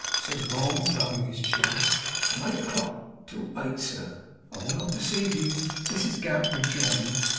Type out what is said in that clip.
said Mould, rubbing his chin. 'From eight o'clock till eight, sir. I will not deceive you,' Mrs Gamp rejoined.